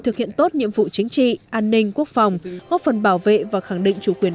thực hiện tốt nhiệm vụ chính trị an ninh quốc phòng góp phần bảo vệ và khẳng định chủ quyền